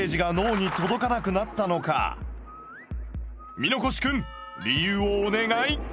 箕越くん理由をお願い。